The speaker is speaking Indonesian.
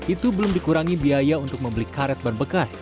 itu belum dikurangi biaya untuk membeli karet berbekas